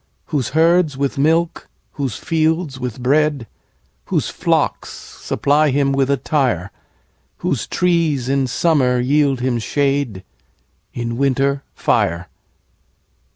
Whose herds with milk, whose fields with bread, Whose flocks supply him with attire; Whose trees in summer yield him shade, In winter fire.